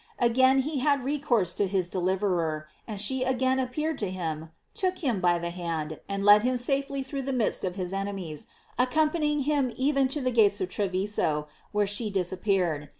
Again he had re course to his deliverer, and she again appeared to him, took him by the hand, and led him safe ly through the midst of his enemies, accompany ing him even to the gates of Treviso, where she disappeared.